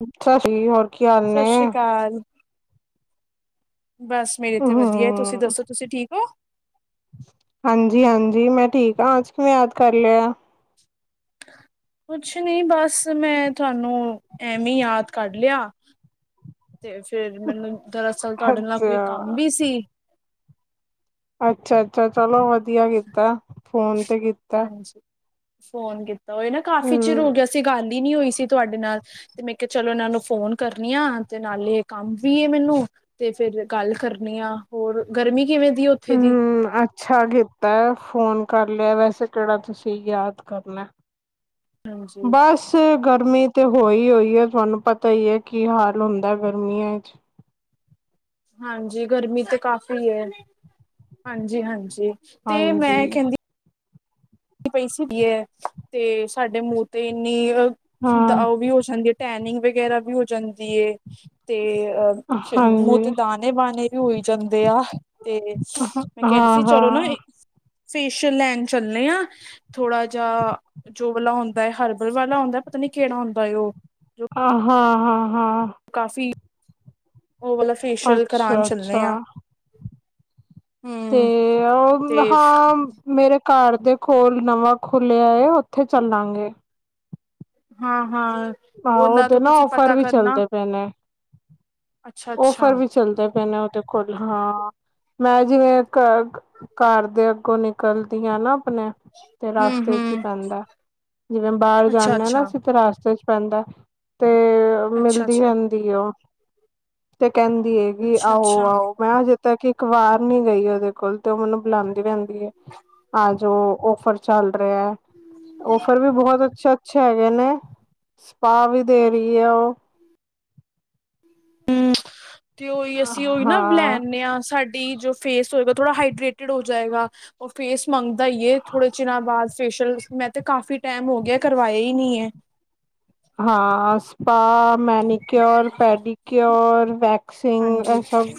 [unintelligible] ਜ ਹੋਰ ਕੀ ਹਾਲ ਸਤਿ ਨੇ? ਸ੍ਰੀ ਅਕਾਲ ਬਸ ਮੇਰੇ ਤੇ ਵਧੀਆ ਹੈ, ਤੁਸੀਂ ਹੂੰ ਦੱਸੋ ਤੁਸੀਂ ਠੀਕ ਹੋ? ਜੀ ਹਾਂਜੀ ਮੈਂ ਠੀਕ ਹਾਂ ਅੱਜ ਕਿਵੇਂ ਯਾਦ ਕਰ ਲਿਆ ਆ। ਕੁਛ ਨ ਬਸ ਮੈਂ ਤੁਹਾਨੂੰ ਐਵੇਂ ਯਾਦ ਕਰ ਲਿਆ। ਤੇ ਫੇਰ ਮੈਨੂੰ ਦਰਅਸਲ ਕੜਨ ਨਾਲ ਅੱਛਾ ਕੋਈ ਕੰਮ ਵੀ ਸੀ। ਅੱਛਾ ਅੱਛਾ ਚਲੋ, ਵਧੀਆ ਕੀਤਾ ਫੋਨ ਤੇ ਕੀਤਾ। ਹਾਂਜੀ, ਫੋਨ ਕੀਤਾ। ਤਾਂ ਉਹ ਨਾ ਕਾਫ਼ੀ ਚਿਰ ਹੋ ਗਿਆ ਹੂੰ ਸੀਗਾ ਗੱਲ, ਨੀ ਹੋਈ ਸੀ ਤੁਹਾਡੇ ਨਾਲ ਤੇ ਮੈਂ ਕਿਹਾ ਚਲੋ ਇਹਨਾਂ ਨੂੰ ਫੋਨ ਕਰਨੀ ਆ ਤੇ ਨਾਲੇ ਕੰਮ ਵੀ ਮੈਨੂੰ ਤੇ ਫੇਰ ਗੱਲ ਕਰਨੀ ਆ ਹੋਰ ਗਰਮੀ ਕਿਵੇਂ ਦੀ ਉੱਥੇ ਦੀ ਹੂੰ ਅੱਛਾ ਕੀਤਾ ਹੈ ਫੋਨ, ਕਰ ਲਿਆ ਵੈਸੇ ਕਿਹੜਾ ਤੁਸੀਂ ਯਾਦ ਕਰਨਾ, ਹਾਂਜੀ ਬਸ ਗਰਮੀ, ਤੇ ਹੋਈ ਹੋਈ ਹੈ ਤੁਹਾਨੂੰ ਪਤਾ ਹੀ ਹੈ ਕੀ ਹਾਲ ਹੁੰਦਾ ਗਰਮੀਆਂ ਚ, ਹਾਂਜੀ ਗਰਮੀ ਤੇ ਕਾਫ਼ੀ ਹੈ ਹਾਂਜੀ ਹਾਂਜੀ। ਤੇ ਮੈਂ ਹਾਂਜੀ ਕਹਿੰਦੀ, ਪਈ ਸੀਗੀ ਹੈ ਤੇ ਸਾਡੇ ਮੂੰਹ ਤੇ ਇੰਨੀ, ਤਾਂ ਹਾਂ ਉਹ ਵੀ ਹੋ ਸਕਦੀ ਹੈ। ਟੈਨਿੰਗ ਵਗੈਰਾ ਵੀ ਹੋ ਜਾਂਦੀ ਤੇ, ਅ ਮੂੰਹ ਹਾਂਜੀ ਤੇ ਦਾਣੇ ਬਾਣੇ ਵੀ ਹੋਈ ਜਾਂਦੇ ਆ ਤੇ ਮੈਂ ਹਾਂ ਕਹਿਦੀ ਸੀ ਚਲੋ ਨਾ, ਹਾਂ ਫੇਸ਼ੀਅਲ ਲੈਣ ਚੱਲੇ ਆ। ਥੋੜਾ ਜਿਹਾ ਜੋ ਵਾਲਾ ਹੁੰਦਾ ਹੈ ਹਰਬਲ ਵਾਲਾ ਹੁੰਦਾ ਐ ਪਤਾ ਨੀ ਕਿਹੜਾ ਹੁੰਦਾ ਹੈ ਉਹ ਹਾਂ ਹਾਂ, ਹਾਂ, ਕਾਫੀ ਉਹ ਵਾਲਾ ਫੇਸ਼ੀਅਲ ਕਰਾਣ ਅੱਛਾ ਚਲੇ ਆ, ਅੱਛਾ ਤੇ ਹਮ ਉਹ ਤੇ ਹਾਂ ਮੇਰੇ, ਘਰ ਦੇ ਕੋਲ ਨਵਾਂ ਖੁੱਲਿਆ ਹੈ ਉੱਥੇ ਚੱਲਾਂਗੇ। ਹਾਂ, ਹਾਂ ਆਹੋ ਉਹ ਉਹਨਾਂ ਤੇ ਤੋਂ ਨਾ ਤੁਸੀਂ ਫਰ ਪਤਾ ਵੀ ਕਰਨਾ ਚੱਲਦੇ ਪਏ ਨੇ, ਅੱਛਾ ਅੱਛਾ ਔਫਰ ਵੀ ਚੱਲਦਾ ਪੈਣਾ, ਦੇਖੋਲ ਹਾਂ। [unintelligible] ਮੈਂ ਜਿਵੇਂ ਘਰ ਘਰ ਦੇ ਅੱਗੋਂ ਨਿਕਲਦੀ ਆ ਨਾ, ਆਪਣੇ ਤੇ ਹਮ ਰਸਤੇ ਚ ਹੀ ਹਮ ਪੈਂਦਾ ਜਿਵੇਂ ਬਾਹਰ ਅੱਛਾ ਜਾਂਨੇ ਆ ਨਾ ਅੱਛਾ ਅਸੀਂ ਤੇ ਰਸਤੇ ਚ, ਪੈਂਦਾ ਤੇ, ਤੇ ਅੱਛਾ ਮਿਲਦੀ ਅੱਛਾ ਰਹਿੰਦੀ ਐ ਉਹ ਤੇ ਕਹਿੰਦੀ ਹੈਗੀ ਆਹੋ ਅੱਛਾ-ਅੱਛਾ ਆਹੋ ਮੈਂ ਹਜੇ ਤਾ ਕਿ ਇੱਕ ਵਾਰ ਨੀ ਗਈ ਉਹਦੇ ਕੋਲ ਤੇ ਉਹ ਮੈਨੂੰ ਬੁਲਾਂਦੀ ਰਹਿੰਦੀ, ਹੈ ਆ ਜੋ ਔਫਰ ਚਲ ਰਿਹਾ ਐ ਔਫਰ ਵੀ ਬਹੁਤ ਅੱਛਾ-ਅੱਛਾ ਹੈਗੇ ਨੇ। ਪਾਵ ਵੀ ਦੇਰੀ ਆ ਉਹ ਹਮ। ਤੇ ਉਹੀ ਅਸੀਂ ਉਹੀ ਨਾ ਲੈ ਆ ਨੇ ਹਾਂ। ਸਾਡੀ ਜੋ ਫੇਸ ਹੋਏਗਾ ਥੋੜਾ ਹਾਈਡਰੇਟਿਡ ਹੋ ਜਾਏਗਾ। ਫੇਸ ਮੰਗ ਦਾ ਈ ਇਹ ਥੋੜੇ ਚੀਰਾ ਬਾਅਦ ਫੇਸ਼ੀਲ ਮੈਂ ਤੇ ਕਾਫੀ ਟਾਈਮ ਹੋ ਗਿਆ ਕਰਵਾਇਆ ਹੀ ਨਹੀਂ ਹੈ। ਹਾਂ ਸ ਪਾ ਮੈਨੀਕਿਓਰ, ਪੈਡੀਕਿਓਰ, ਵੈਕਸਿੰਗ ਇਹ ਹਾਂਜੀ, ਸਭ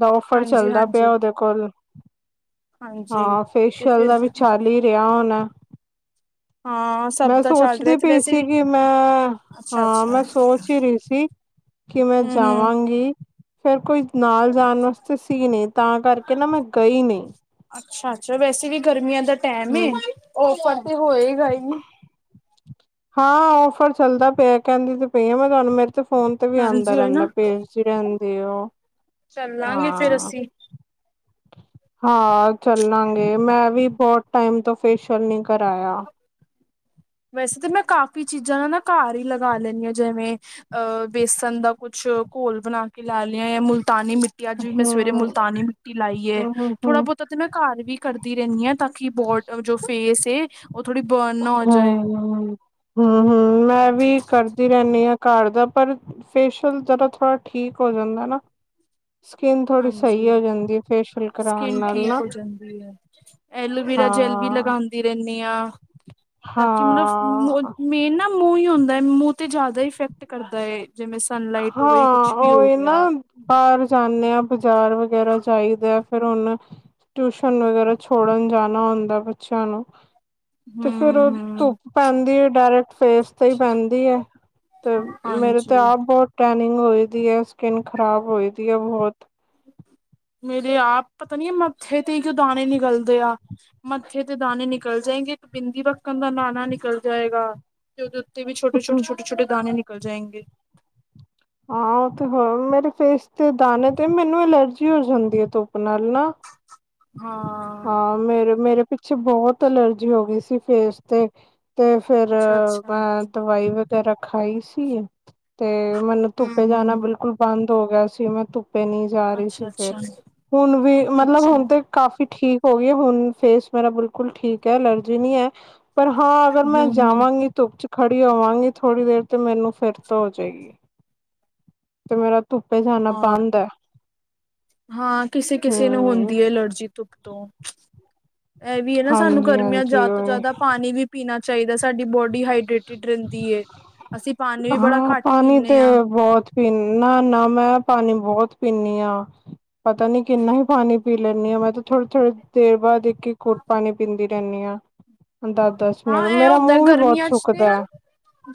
ਦਾ ਓਫਰ ਚੱਲਦਾ ਹਾਂਜੀ-ਹਾਂਜੀ, ਪਿਆ ਉਹਦੇ ਕੋਲ। ਹਾਂਜੀ ਹਾਂਜੀ ਹਾਂ ਤੇ ਫੇਸ਼ਅਲ ਫਿਰ ਦਾ ਵੀ ਚੱਲ ਹੀ ਰਿਹਾ ਹੋਣਾ ਐ ਹਾਂ ਸਭ ਦਾ ਚੱਲ ਰਿਹਾ। ਤੇ ਵੈ ਸੀਗੀ ਮੈਂ ਹਾਂ ਮੈਂ ਸੋਚ ਹੀ ਰਹੀ ਸੀ ਕਿ ਮੈਂ ਹੂੰ-ਹੂੰ ਜਾਵਾਂਗੀ ਫੇਿਰ ਕੋਈ ਨਾਲ ਜਾਣ ਵਾਸਤੇ ਸੀ ਨਹੀਂ। ਤਾਂ ਕਰਕੇ ਨਾ ਮੈਂ ਗਈ ਨਹੀਂ। ਅੱਛਾ-ਅੱਛਾ ਵੈਸੇ ਵੀ ਗਰਮੀਆਂ ਦਾ ਟੈਮ ਹੂੰ ਔਫਰ ਤੇ ਹੋਏਗਾ ਹੀ ਨ ਹਾਂ ਔਫਰ ਚੱਲਦਾ ਪਿਆ ਕਹਿੰਦੀ ਤੇ ਪਈ ਆ। ਮੈਂ ਤੁਹਾਨੂੰ ਤੇ ਫੋਨ ਤੇ ਵੀ ਆਉਂਦਾ ਹਾਂਜੀ ਉਹੀ ਰਹਿੰਦਾ ਨਾ ਭੇਜਦੀ ਰਹਿੰਦੇ ਉਹ ਚੱਲਾਂਗੇ ਫੇਰ ਹਾ। ਅਸੀਂ ਹਾ। ਚੱਲਾਂਗੇ। ਮੈਂ ਵੀ ਸ਼ੋਰਟ ਟਾਈਮ ਤੋਂ ਫੇਸ਼ਅਲ ਨਹੀਂ ਕਰਾਇਆ। ਵੈਸੇ ਤਾਂ ਮੈਂ ਕਾਫ਼ੀ ਚੀਜ਼ਾਂ ਨਾ ਘਰ ਹੀ ਲਗਾ ਲੈਂਦੀ ਹਾਂ। ਜਿਵੇਂ ਅ ਬੇਸਨ ਦਾ ਕੁਛ ਘੋਲ ਬਣਾ ਕੇ ਲਾ ਲਿਆ ਹ ਜਾਂ। ਮੁਲ ਮੁਲਤਾਨੀ ਮਿੱਟੀ ਅੱਜ ਵੀ ਮੈਂ ਸਵੇਰੇ ਹਮ ਮੁਲਤਾਨੀ ਮਿੱਟੀ ਲਾਈ ਏ। ਹਮ ਥੋੜਾ ਹਮ ਹਮ ਬਹੁਤਾ ਤੇ ਮੈਂ ਘਰ ਵੀ ਕਰਦੀ ਰਹਿੰਦੀ ਹੈ ਤਾਂ ਕੀ ਜੋ ਫੇਸ ਹੈ ਉਹ ਥੋੜ੍ਹੀ ਬਰਨ ਹੋ ਜਾਏ ਹਮ-ਹਮ ਮੈਂ ਹਾਂਜੀ ਵੀ ਕਰਦੀ ਰਹਿੰਦੀ ਆ ਘਰ ਦਾ ਪਰ, ਫੇਸ਼ਅਲ ਜਰਾ ਥੋੜ੍ਹਾ ਠੀਕ ਹੋ ਜਾਂਦਾ ਨਾ ਸਕਿਨ ਥੋੜ੍ਹੀ ਸਹੀ ਹਾਂਜੀ ਹੋ ਜਾਂਦੀ ਫੇਸ਼ੀਅਲ ਕਰਾਉਣ ਨਾਲ ਨਾ [unintelligible] ਐਲੋਵੇਰਾ ਜੈਲ ਵੀ ਹਾਂ ਲਗਾਉਂਦੀ ਰਹਿੰਦੀ ਹਾਂ। ਤਾਂ ਕਿ ਮਤਲਬ ਹਾਂ ਮੇਨ ਨਾ ਮੂੰਹ ਹੀ ਹੁੰ ਮੂੰਹ ਤੇ ਜ਼ਿਆਦਾ ਇਫੈਕਟ ਕਰਦਾ ਏ ਹਾਂ ਉਹੀ ਨਾ ਬਾਹਰ ਜਾਂਦੇ ਆਂ ਬਾਜ਼ਾਰ ਵਗੈਰਾ ਜਾਇਦਾ ਫਿਰ ਹੁਣ ਟਿਊਸ਼ਨ ਵਗੈਰਾ ਛੋੜਨ ਜਾਣ ਨਾਂ ਹੁੰਦਾ ਬੱਚਿਆਂ ਨੂੰ ਤੇ ਫੇਰ ਹਮ ਉਹ ਹਮ ਧੁੱਪ ਪੈਂਦੀ ਹੈ ਡਾਇਰੈਕਟ ਫੇਸ ਤੇ ਹੀ ਪੈਂਦੀ ਹੈ ਤੇ ਮੇਰੇ ਤੇ ਹਾਂਜੀ ਆਪ ਟੈਨਿੰਗ ਹੋਈ ਦੀ ਹੈ ਸਕਿੰਨ ਖਰਾਬ ਹੋਈ ਦੀ ਹੈ ਬਹੁਤ ਮੇਰੇ ਆਪ ਪਤਾ ਨੀ ਆ ਮੱਥੇ ਤੇ ਹੀ ਇੱਕ ਦਾਣੇ ਨਿਕਲਦੇ ਆ ਮੱਥੇ ਤੇ ਦਾਣੇ ਨਿਕਲ ਜਾਏਗੇ ਇੱਕ ਬਿੰਦੀ ਵੱਕਣ ਦਾ ਦਾਣਾ ਨਿਕਲ ਜਾਏਗਾ ਤੇ ਉਹਦੇ ਜਿਵੇਂ ਛੋਟੇ-ਛੋਟੇ ਛੋਟੇ-ਛੋਟੇ -ਛੋਟੇ ਦਾਨੇ ਵੇ। ਕਰ ਜਾਏਂ ਗੇ ਹਾਂ ਉਹ ਤੇ ਹੋਰ ਮੇਰੇ ਫੇਸ ਤੇ ਦਾਣੇ ਤੇ ਮੈਨੂੰ ਅਲਰਜੀ ਹੋ ਜਾਂਦੀ ਹੈ ਧੁੱਪ ਨਾਲ ਨਾ ਹਾਂ ਮੇਰੇ-ਮੇਰੇ ਪ ਚ ਬਹੁਤ ਅਲਰਜੀ ਹੋ ਗਈ ਸੀ ਫੇਸ ਤੇ ਤੇ ਫੇਰ ਅੱਛਾ ਅੱਛਾ ਮੈਂ ਦਵਾਈ ਤਾਂ ਰਖਾਈ ਸੀ ਤੇ ਮੈਨੂੰ ਹਮ ਧੁੱਪੇ ਹਮ ਜਾਣਾ ਬਿਲਕੁਲ ਬੰਦ ਹੋ ਗਿਆ ਸੀ ਮੈਂ ਧੁੱਪ ਪੀ ਨਹੀਂ ਜਾ ਰਹੀ ਸੀ ਅੱਛਾ ਫਰ ਅੱਛਾ ਹੁਣ ਵੀ ਮਤਲਬ ਅੱਛਾ ਹੁਣ ਕਾਫੀ ਠੀਕ ਹੋ ਗਈ ਹੈ ਹੁਣ ਫੇਸ ਮੇਰਾ ਬਿਲਕੁਲ ਠੀਕ ਹੈ ਅਲਰਜੀ ਨਹੀਂ ਹੈ। ਪਰ ਹਾਂ ਅਗਰ ਹਮ ਮੈਂ ਹਮ ਜਾਵਾਂਗੀ ਧੁੱਪ ਚ ਖੜੀ ਹੋਵਾਂਗੀ ਥੋੜੀ ਦੇਰ ਤੇ ਮੈਨੂੰ ਫਿਰ ਤੋਂ ਹੋ ਜੇਗੀ ਤੇ ਮੇਰਾ ਤੁੁੱਪੇ ਜਾਣਾ ਹਾਂ ਬੰਦ ਹੈ ਹਾਂ ਕਿਸੇ ਕਿਸੇ ਨੂੰ ਹਮ ਹੁੰਦੀ ਹੈ ਐਲਰਜੀ ਤੋਂ ਤੋਂ ਇਹ ਵੀ ਹੈ ਨਾ ਸਾਨੂੰ ਹਾਂਜੀ ਗਰਮੀਆਂ ਹਾਂਜੀ ਜ਼ਿਆਦਾ ਤੋਂ ਉਹੀ ਜ਼ਿਆਦਾ ਪਾਣੀ ਵੀ ਪੀਣਾ ਚਾਹੀਦਾ ਸੀ ਸਾਡੀ ਬੋਡੀ ਹਾਈਡਰੇਟਿਡ ਰਹਿੰਦੀ ਇਹ ਅਸੀਂ ਪਾਣੀ ਵੀ ਬੜਾ ਹਾਂ ਘੱਟ ਪਾਣੀ ਤੇ ਪੀਂਦੇ ਹਾਂ ਬਹੁਤ ਤੇ ਨਾ ਨਾ ਮੈਂ ਪਾਣੀ ਬਹੁਤ ਪੀਂਨੀ ਹਾਂ ਪਤਾ ਨੀ ਕਿੰਨਾ ਹੀ ਪਾਣੀ ਪੀ ਲੈਂਨੀ ਹਾਂ ਮੈਂ ਤਾਂ ਥੋੜੀ-ਥੋੜੀ ਦੇਰ ਬਾਦ ਕੀ ਘੁੱਟ ਪਾਣੀ ਪੀਂਦੀ ਕਿੰਨੀਆਂ ਦੱਸ ਦੱਸ ਮਿੰਟ ਹਾਂ ਇਹ ਮੇਰਾ ਹੁੰਦਾ ਮੂੰਹ ਵੀ ਬਹੁਤ ਗਰਮੀਆਂ ਚ ਤੇ ਸੁੁੱਕਦਾ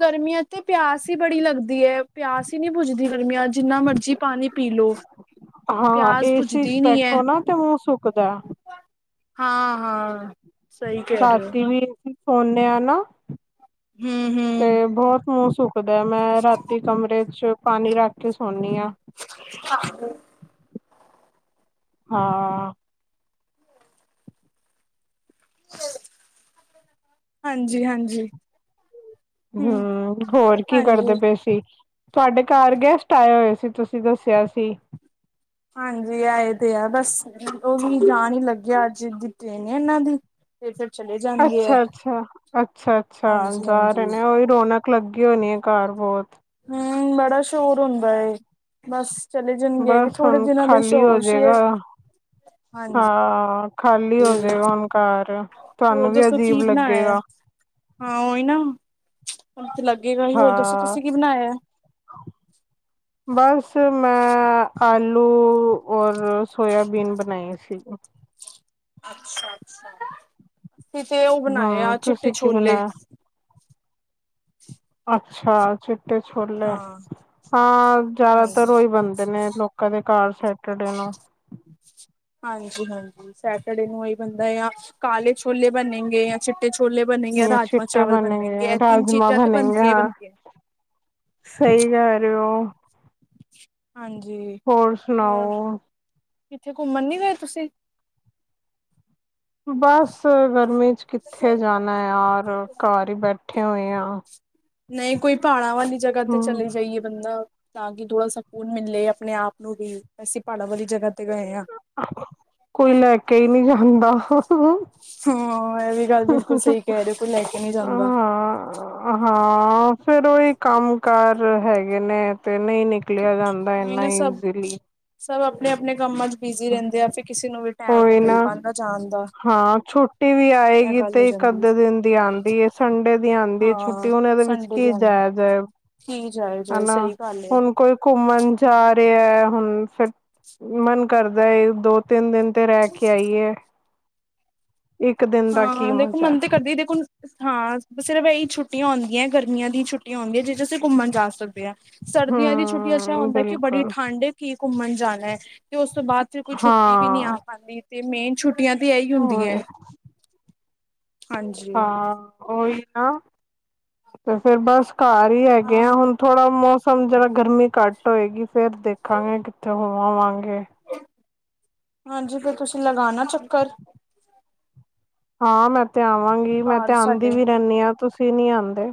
ਗਰਮੀਆਂ ਤੇ ਪਿਆਸ ਹੀ ਬੜੀ ਲੱਗਦੀ ਹੈ ਪਿਆਸ ਹੀ ਨਹੀਂ ਬੁਜਦੀ ਗਰਮੀਆਂ ਜਿੰਨਾ ਮਰਜੀ ਪਾਣੀ ਪੀ ਲੋ ਹਾਂ ਪਿਆਸ ਏਸੀ ਚ ਬੁਝਦੀ ਨੀ ਹੈ ਬੈਠੋ ਨਾ ਤੇ ਮੂੰਹ ਸੁੱਕਦਾ, ਹਾਂ ਹਾਂ, ਸਹੀ ਕਹਿ ਰਹੇ ਹੋ ਰਾਤੀ ਵੀ, ਸੋਨੇ ਆ ਨਾ, ਹੂੰ ਹੂੰ, ਹਾ ਸੋ, ਦ ਮੈਂ ਰਾਤੀ ਕਮਰੇ ਚ, ਪਾਣੀ ਰੱਖ ਕੇ ਸੋ [unintelligible] ਹਾਂ, ਹਾਂਜੀ ਹਾਂਜੀ, ਹਮ ਹੂੰ, ਹੋਰ ਕੀ ਹਾਂਜੀ ਕਰਦੇ ਪਏ ਸੀ। ਤੁਹਾਡੇ ਘਰ ਗੈਸਟ ਆਏ ਹੋਏ ਸੀ ਤੁਸੀਂ ਦੱਸਿਆ ਸੀ। ਹਾਂਜੀ ਆਏ ਤੇ ਆ ਬਸ ਉਹ ਵੀ ਜਾਣ ਹੀ ਲੱਗਿਆ ਅੱਜ ਦੀ ਟੇਨ ਇਹਨਾਂ ਦੀ ਤੇ ਫਿਰ, ਚਲੇ ਜਾਣਗੇ ਅੱਛਾ ਅੱਛਾ ਅੱਛਾ ਅੱਛਾ, ਹਾਂਜੀ ਜਾ ਰਹੇ ਹਾਂਜੀ ਨੇ ਉਹੀ ਰੌਣਕ ਲੱਗੀ ਹੋਣੀ ਹੈ। ਘਰ ਬਹੁਤ, ਹੂੰ ਬੜਾ ਸ਼ੋਰ ਹੁੰਦਾ ਐ ਬਸ, ਚਲੇ ਜਾਣਗੇ ਵੀ ਬਸ ਥੋੜੇ ਹੁਣ ਦਿਨਾਂ ਦਾ ਹੀ ਖਾਲੀ ਸ਼ੋਰ ਸੀ ਹੋਜੇਗਾ ਹਾਂਜੀ ਹਾਂ, ਖਾਲੀ ਹੋਜੇਗਾ ਹੁਣ ਘਰ, ਹੋਰ ਤੁਹਾਨੂੰ ਵੀ ਦੱਸੋ ਅਜੀਬ ਕੀ ਬਣਾਇਆ ਲੱਗੇਗਾ। ਹੁਣ ਤਲੱਕ ਅੱਗੇ ਕਹੀਂ, ਹੋਰ ਦੱਸੋ ਹਾਂ ਤੁਸੀਂ ਕੀ ਬਣਾਇਆ। ਬਸ ਮੈਂ ਆਲੂ ਔਰ ਸੋਆਬੀਨ ਬਣਾਈ ਸੀ। ਅੱਛਾ ਅੱਛਾ, ਸੀ ਤੇ ਉਹ ਬਣਾਏ ਹਮ ਆ ਚਿੱਟੇ ਤੁਸੀਂ ਕੀ ਛੋਲੇ, ਬਣਾਇਆ ਅੱਛਾ, ਛੋਲੇ, ਹਾਂ ਹਾਂ ਹਾਂਜੀ ਜ਼ਿਆਦਾਤਰ ਉਹੀ ਬਣਦੇ ਨੇ ਲੋਕਾਂ ਦੇ ਘਰ ਸੈ ਤੁਹਾਡੀ ਨੂ ਹਾਂਜੀ ਹਾਂਜੀ, ਸੈਟਰਡੇ ਨੂੰ ਇਹ ਬੰਦਾ ਆ ਕਾਲੇ ਛੋਲੇ ਬਨੇਗੇ ਜਾਂ ਚਿੱਟੇ ਛੋਲ। ਚਿੱਟੇ ਬਣਨਗੇ ਤਿੰਨ ਰਾਜਮਾਂ ਚੀਜ਼ਾਂ ਤੇ ਬਣਨਗੇ, ਬਣਦੀਆਂ ਹੀ ਹਾ ਬਣਦੀਆਂ ਸਹੀ ਕਹਿ ਰਹੇ ਹੋ। ਹਾਂਜੀ ਹੋਰ ਹੋਰ ਸੁਣਾਓ। ਕਿੱਥੇ ਘੁੰਮਣ ਨੀ ਗਏ ਤੁਸੀਂ, ਬਸ ਗਰਮੀ ਚ ਕਿੱਥੇ ਜਾਣਾ ਯਾਰ, ਘਰ ਹੀ ਬੈਠ, ਉੱਠੇ ਹੋਏ ਆ, ਨਹੀਂ ਕੋਈ ਪਹਾੜਾਂ ਵਾਲੀ ਜਗ੍ਹਾ ਤੇ ਹਮ ਚਲੇ ਜਾਈਏ, ਬੰਦਾ, ਤਾਂ ਕਿ ਥੋੜ੍ਹਾ ਸਕੂਨ ਮਿਲੇ ਆਪਣੇ ਆਪ ਨੂੰ ਵੀ ਵੈਸੀੇ ਪਹਾੜਾਂ ਵਾਲੀ ਜਗ੍ਹਾ ਤੇ ਗਏ ਹਾਂ। ਕੋਈ ਲੈ ਕੇ ਹੀ ਨਹੀਂ ਜਾ ਜਾਦਾ, ਹਾਂ ਇਹ ਵੀ ਗੱਲ ਬਿਲਕੁਲ ਸਹੀ ਕਹਿ ਹੋ, ਕੋਈ ਲੈ ਕੇ ਨਹੀਂ ਜਾਂਦਾ। ਹਾਂ ਫੇਰ ਉਹੀ ਕੰਮ ਕਾਰ ਹੈਗੇ ਨੇ। ਤੇ ਨਹੀਂ ਨਿਕਲਿਆ ਜਾਂਦਾ ਉਹੀ ਇੰਨਾ ਨਾ ਸਭ ਈਜ਼ੀਲੀ, ਸਭ ਆਪਣੇ ਆਪਣੇ ਕੰਮਾਂ ਚ ਬਿਜ਼ੀ ਰਹਿੰਦੇ ਐ, ਫਿਰ ਕਿਸੇ ਨੂੰ ਵੀ ਟਾਈਮ ਨਹੀ ਕੋਈ ਮਿਲ ਨਾ ਪਾਦਾ ਜਾਣ, ਦਾ। ਹਾਂ ਛੁੱਟੀ ਵੀ ਇਹ ਆਏਗੀ ਗੱਲ ਹੋ ਤੇ ਇੱਕ ਜਾਂਦੀ ਅੱਧੇ ਦਿਨ ਦੀ ਆਦੀ ਸੰਡੇ ਦੀ ਆਦੀ ਹੈ ਛੁੱਟੀ, ਹਾਂ ਹੁਣ ਇਹਦੇ ਵਿੱਚ ਸੰਡੇ ਦੀ ਕੀ ਆਉਂਦੀ ਜਾਇਆ ਜਾਏ ਕੀ ਜਾਏ ਜਾਏ ਹੈਨਾ ਸਹੀ ਗੱਲ ਏ। ਹੁਣ ਕੋਈ ਘੁੰਮਣ ਜਾ, ਅਰੇ ਐ ਹੁਣ ਫਿਰ ਮਨ ਕਰਦਾ ਦੋ ਤਿੰਨ ਦਿਨ ਉਥੇ ਰਹਿ ਕੇ ਆਈ ਐ। ਹਾਂ ਦੇਖੋ ਮਜ਼ਾ ਮਨ ਤੇ ਕਰਦੀ ਦੇਖੋ ਹਾਂ ਸਿਰਫ ਇਹੀ ਛੁੱਟੀਆ ਹੋਦੀਆਂ। ਗਰਮੀਆਂ ਦੀ ਛੁੱਟੀਆਂ ਹੁੰਦੀਆਂ ਜਿਸ ਚ ਅਸੀਂ ਘੁੰਮਣ ਜਾ ਸਕਦੇ ਆ। ਸਰਦੀਆਂ ਦੀ ਛੁੱਟੀਆਂ ਚ ਹਮ ਹੁੰਦਾ ਕਿ ਬੜੀ ਬਿਲਕੁਲ ਠੰਡੀ ਐ। ਘੁੰਮਣ ਜਾਣਾ ਹੈ, ਤੇ ਉਸ ਤੋਂ ਬਾਅਦ ਫਿਰ ਕੋਈ ਛੁੱਟੀ ਵੀ ਨਹੀਂ ਆ ਹਾਂ ਪਾਦੀ ਤੇ ਮੇਨ, ਛੁਟੀਆਂ ਤੇ ਇਹੀ ਹੁੰਦੀਆਂ ਹੈ। ਹਾਂ ਉਹੀ, ਆਹ ਤੇ ਫੇਰ ਬਸ ਘਰ ਹੀ ਹੈਗੇ ਹਾਂ ਆ ਹੁਣ ਥੋੜ੍ਹਾ ਮੌਸ ਸਮਝਣਾ, ਗਰਮੀ ਘੱਟ ਹੋਏਗੀ ਫੇਰ ਦੇਖਾਂਗੇ ਕਿੱਤੇ ਹੋ ਆਵਾਂਗੇ। ਹਾਂਜੀ ਫੇਰ ਤੁਸੀਂ ਲਗਾਨਾ ਚੱਕਰ, ਹਾਂ ਮੈਂ, ਤੇ ਆਵਾਂਗੀ ਮੈਂ ਘਰ ਤੇ ਆਦੀ ਸਾਡੇ ਵੀ ਰਹਿੰਦੀ ਹਾਂ ਤੁਸੀਂ, ਕੀ ਨਹੀਂ ਆਦੇ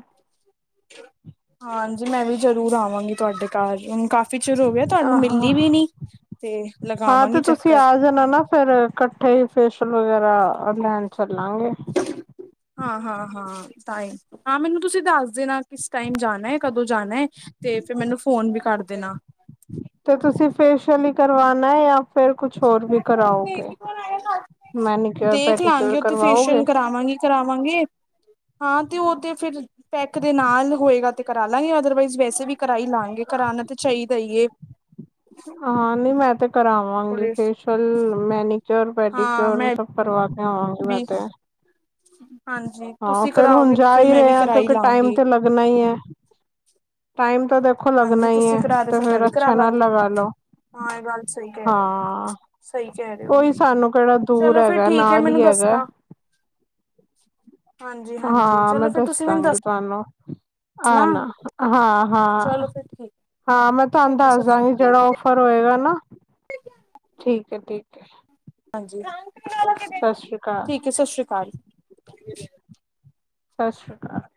ਹਾਂਜੀ ਮੈਂ ਵੀ ਜ਼ਰੂਰ ਆਵਾਂਗੀ ਤੁਹਾਡੇ ਘਰ ਕਾਫ਼ੀ ਚਿਰ ਹੋ ਗਿਆ ਤੁਹਾਨੂੰ ਆਹੋ ਮਿਲੀ ਵੀ ਨੀ ਤੇ ਹਾਂ ਤੇ ਲਗਾਵਾਂਗੀ ਤੁਸੀਂ ਚੱਕਰ ਆ ਜਾਣਾ ਨਾ ਫੇਰ ਇਕੱਠੇ ਹੀ ਫੇਸ਼ਅਲ ਵਗੈਰਾ ਉਹਦਾ, ਹਾਂ ਹਾਂ ਹਾਂ ਤਾਹੀ, ਹਾਂ ਮੈਨੂੰ ਤੁਸੀਂ ਦੱਸ ਦੇਣਾ ਕਿਸ ਟਾਈਮ ਜਾਣਾ ਹੈ ਕਦੋਂ ਜਾਣਾ ਹੈ ਤੇ ਫਿਰ ਮੈਨੂੰ ਫੋਨ ਵੀ ਕਰ ਦੇਣਾ। ਤੇ ਤੁਸੀਂ ਫੇਸ਼ਅਲ ਹੀ ਕਰਵਾਣਾ ਆ। ਮੈਨੀਕਿਓਰ ਦੇਖ ਲਾਂਗੇ ਪੈਡੀਕਿਓਰ ਉਥੇ ਕਰਵਾਓਗੇ ਫੇਸ਼ਅਲ ਕਰਾਵਾਂਗੇ, ਕਰਾਵਾਂਗੇ ਹਾਂ ਤੇ ਉਹ ਤੇ ਫਿਰ ਪੈਕ ਦੇ ਨਾਲ ਹੋਏਗਾ। ਕਰਾ ਲਾਂਗੇ ਅਦਰਵਾਈਜ਼ ਵ ਅਸੀਂ ਵੀ ਕਰਾਈ ਲਵਾਂਗੇ ਕਰਾਣਾ ਤਾਂ ਚਾਹੀਦਾ ਹੀਏ। ਹਾਂ ਨਈ ਹੈ ਤੇ ਕਰਾਵਾਂਗੇ ਥੋੜੇ ਫੇਸ਼ਅਲ ਮੈਨੀਕਿਓਰ ਹਾਂ ਪੈਡੀਕਿਓਰ ਮੈਂ ਸਭ ਕਰਵਾ ਕੇ ਹਾਂ ਮੈਂ ਕਿਹਾ ਏ ਹੁੰ ਹਾਂ ਫੇਰ ਹੁਣ ਜਾ ਹੀ ਰਹੇ ਆ ਕਰਾ ਹੀ ਕਿਉਂਕਿ ਟਾਈਮ ਲਾਂਗੀ ਤੇ ਲੱਗਣਾ ਹੀ ਹੈ, ਟਾਈਮ ਤਾਂ ਦੇਖੋ ਹਾਂਜੀ ਲੱਗਣਾ ਹੀ ਤੁਸੀਂ ਹੈ ਕਰਾ ਰਹੇ ਤੇ ਫਿਰ ਮੈਂ ਫੇਰ ਵੀ ਕਰਾ ਅੱਛਾ ਨਾਲ ਲਵਗੀ ਲਗਾ ਲੋ ਹਾਂ ਇਹ ਗੱਲ ਸਹੀ ਕਹਿ ਰਹੇ ਹੋ ਹਾਂ ਸਹੀ ਕਹਿ ਰਹੇ ਹੋ ਉਹੀ ਸਾਨੂੰ ਕਿਹੜਾ ਦੂਰ ਚਲੋ ਫਿਰ ਹੈਗਾ ਠੀਕ ਹੈ ਨਾਲ ਹੀ ਮੈਨੂੰ ਹੈਗਾ ਦੱਸਣਾ ਹਾਂਜੀ ਹਾਂਜੀ ਹਾਂ, ਮੈਂ ਚਲੋ ਫਿਰ ਦੱਸ ਤੁਸੀਂ ਮੈਨੂੰ ਦਾਂਗੀ ਤੁਹਾਨੂੰ ਓਕੇ ਦੱਸਣਾ ਆ ਨਾ ਹਾਂ, ਹਾਂ, ਚਲੋ ਫਿਰ ਠੀਕ ਹਾਂ ਮੈਂ ਤੁਹਾਨੂੰ ਠੀਕ ਹੈ ਦੱਸ ਸਤਿ ਸ਼੍ਰੀ ਦਾਂਗੀ ਅਕਾਲ ਜਿਹੜਾ ਓਫਰ ਹੋਏਗਾ ਨਾ ਠੀਕ ਹੈ, ਠੀਕ ਹੈ ਹਾਂਜੀ। ਸਤਿ ਸ੍ਰੀ ਅਕਾਲ ਠੀਕ ਹੈ ਸਤਿ ਸ੍ਰੀ ਅਕਾਲ। ਸਤਿ ਸ਼੍ਰੀ ਅਕਾਲ।